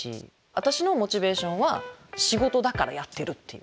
私のモチベーションは仕事だからやってるっていう。